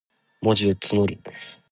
文字を綴る。